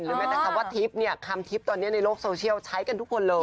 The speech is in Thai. แม้แต่คำว่าทิพย์เนี่ยคำทิพย์ตอนนี้ในโลกโซเชียลใช้กันทุกคนเลย